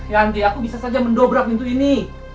yanti aku bisa saja mendobrak pintu ini